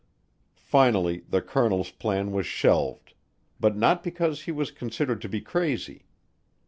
Finally the colonel's plan was shelved, but not because he was considered to be crazy.